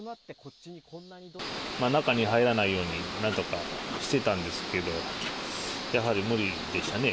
中に入らないように、なんとかしてたんですけど、やはり無理でしたね。